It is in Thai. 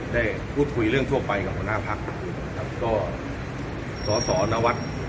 ได้พูดคุยเรื่องทั่วไปกับรองหัวหน้าพักษณ์ครับก็สอนาวัตร